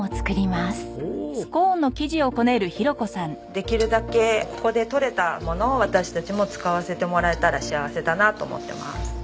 できるだけここでとれたものを私たちも使わせてもらえたら幸せだなと思ってます。